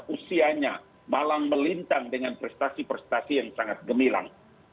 usianya malang melintang dengan prestasi prestasi yang sangat gemilang